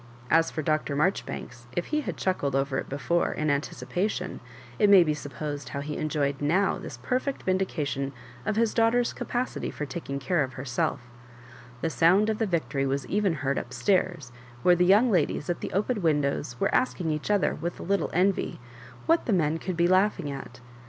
As for Dr. Marjoribanks, if he had chuckled over it before, in anticipation, it may be suppos ed how he enjoyed now this perfeot vindication of his daughter's capacity fbr takhig care of her self. The sound of the victory was even heard up stairs, where the young ladies at the open win dows were asking each other, with a little envy, Digitized by VjOOQ IC 60 JOSS MABJ0BIBA2$rE& what the men could be laughing at.